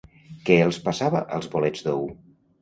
Què els passava als bolets d'ou?